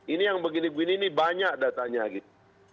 ini yang begini begini ini banyak datanya gitu